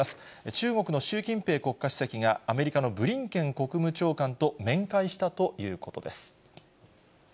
中国の習近平国家主席がアメリカのブリンケン国務長官と面会したということです。